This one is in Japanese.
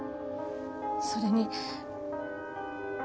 それに。